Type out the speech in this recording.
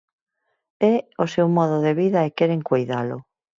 É o seu modo de vida e queren coidalo.